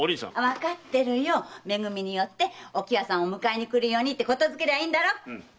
わかってるよめ組に寄ってお喜和さんを迎えに来るように言づけりゃいいんだろ。